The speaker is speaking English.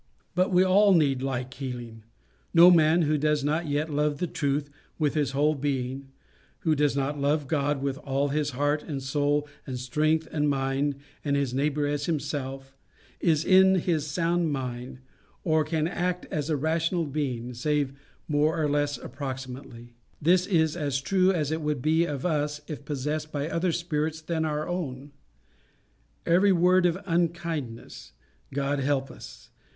But we all need like healing. No man who does not yet love the truth with his whole being, who does not love God with all his heart and soul and strength and mind, and his neighbour as himself, is in his sound mind, or can act as a rational being, save more or less approximately. This is as true as it would be of us if possessed by other spirits than our own. Every word of unkindness, God help us!